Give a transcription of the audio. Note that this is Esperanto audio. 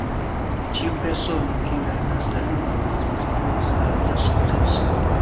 Ĉiu persono, kiu lernas la lingvon, kontribuas al ĝia sukceso.